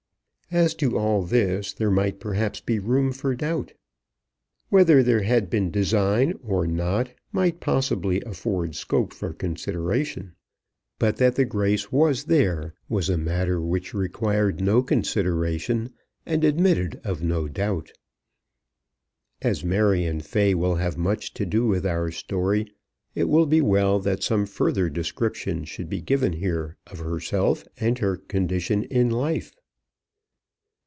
As to all this there might perhaps be room for doubt. Whether there had been design or not might possibly afford scope for consideration. But that the grace was there was a matter which required no consideration, and admitted of no doubt. As Marion Fay will have much to do with our story, it will be well that some further description should be given here of herself and of her condition in life.